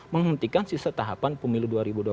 menghentikan sisa tahapan pemilu dua ribu dua puluh